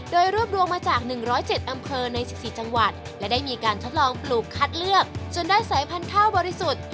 โดยรวบรวมมาจาก๑๐๗อำเภอใน๑๔จังหวัดและได้มีการทดลองปลูกคัดเลือกจนได้สายพันธุ์ข้าวบริสุทธิ์